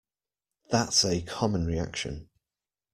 That's a common reaction.